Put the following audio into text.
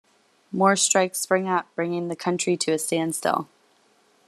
More strikes spring up, bringing the country to a standstill.